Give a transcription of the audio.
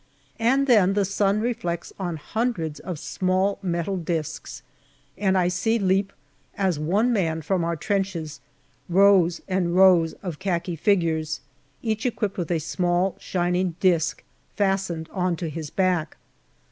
And then the sun reflects on hundreds of small metal discs, and I see leap as one man from our trenches rows and rows of khaki figures, each equipped with a small shining disc fastened on to his back.